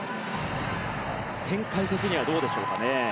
展開的にはどうでしょうかね？